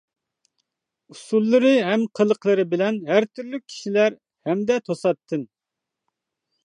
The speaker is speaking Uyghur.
ئۇسۇللىرى ھەم قىلىقلىرى بىلەن ھەر تۈرلۈك كىشىلەر ھەمدە توساتتىن!